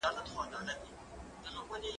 کېدای شي زه سبا درس ولولم!؟